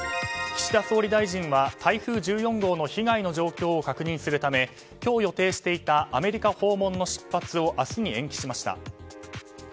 岸田総理大臣は、台風１４号の被害の状況を確認するため今日予定していたアメリカ訪問の出発を明日に延期しました。